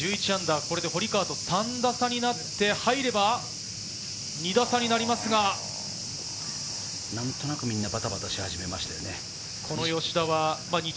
これで堀川と３打差になって入れば２打差になりますが、何となくみんな、バタバタし始めましたよね。